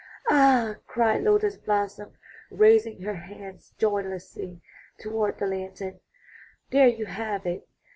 ''Ah," cried Lotus blossom, raising her hands joyously toward the lantern, 'There you have it!